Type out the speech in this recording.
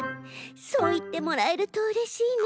そういってもらえるとうれしいな。